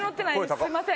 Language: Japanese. すみません。